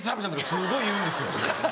すごい言うんですよ。